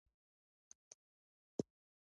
سپین ږیری د کلي د احترام وړ کسان دي